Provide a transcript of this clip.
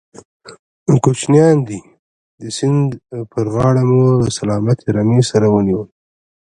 کوچيان دي، د سيند پر غاړه مو له سلامتې رمې سره ونيول.